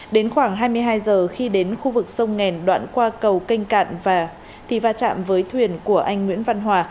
đến khoảng hai mươi hai giờ khi đến khu vực sông ngàn đoạn qua cầu canh cạn và thì va chạm với thuyền của anh nguyễn văn hòa